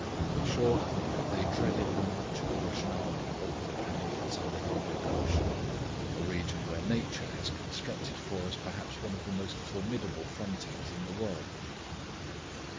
In short, they dreaded the march of a Russian army over the Pamirs and the Hindoo Koosh a region where Nature has constructed for us perhaps one of the most formidable frontiers in the world.